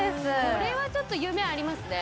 これはちょっと夢ありますね